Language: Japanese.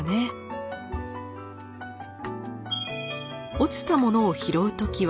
落ちたものを拾う時は。